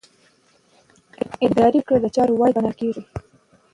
اداري پریکړې د څار وړ ګڼل کېږي.